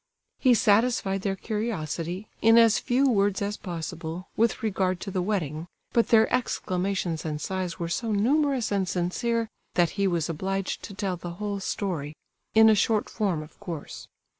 He satisfied their curiosity, in as few words as possible, with regard to the wedding, but their exclamations and sighs were so numerous and sincere that he was obliged to tell the whole story—in a short form, of course.